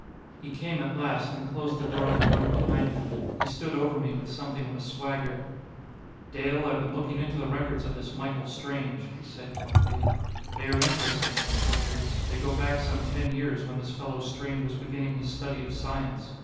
He came at last, and closed the door of the room behind him. He stood over me with something of a swagger. "Dale, I have been looking into the records of this Michael Strange," he said quietly. "They are interesting, those records. They go back some ten years, when this fellow Strange was beginning his study of science.